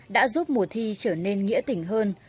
đã giúp mùa thi trở nên nghĩa tình hơn